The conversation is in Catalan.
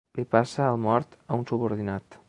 Li passa el mort a un subordinat.